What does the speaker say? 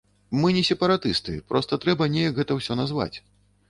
Мы не сепаратысты, проста трэба неяк гэта ўсё назваць.